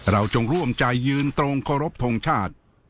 เราจงร่วมใจยืนตรงขอรบทรงชาติ